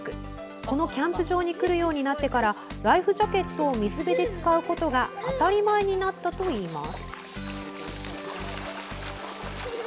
このキャンプ場に来るようになってからライフジャケットを水辺で使うことが当たり前になったといいます。